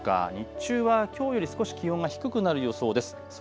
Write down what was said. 日中はきょうより少し気温が低くなる予想です。